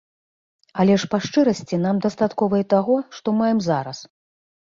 Але ж па шчырасці нам дастаткова і таго, што маем зараз.